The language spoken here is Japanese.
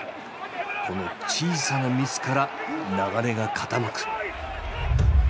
この小さなミスから流れが傾く。